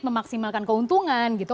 memaksimalkan keuntungan gitu